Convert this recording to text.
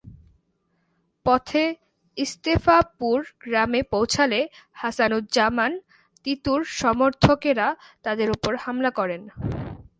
পথে ইস্তেফাপুর গ্রামে পৌঁছালে হাসানুজ্জামান তিতুর সমর্থকেরা তাঁদের ওপর হামলা করেন।